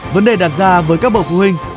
vấn đề đặt ra với các bậc phụ huynh